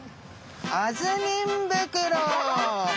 あずみん袋！